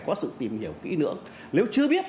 có sự tìm hiểu kỹ nữa nếu chưa biết